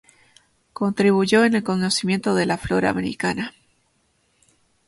Contribuyó en el conocimiento de la flora africana.